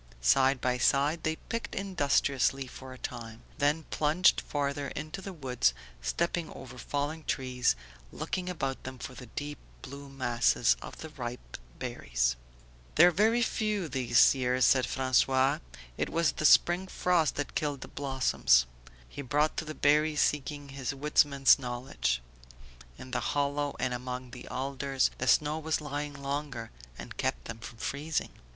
Side by side they picked industriously for a time, then plunged farther into the woods, stepping over fallen trees, looking about them for the deep blue masses of the ripe berries. "There are very few this year," said François. "It was the spring frosts that killed the blossoms." He brought to the berry seeking his woodsman's knowledge. "In the hollows and among the alders the snow was lying longer and kept them from freezing."